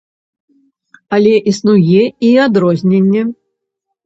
Але існуе і адрозненне.